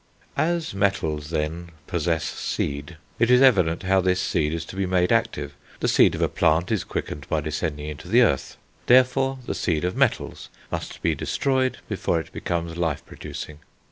As metals, then, possess seed, it is evident how this seed is to be made active; the seed of a plant is quickened by descending into the earth, therefore the seed of metals must be destroyed before it becomes life producing.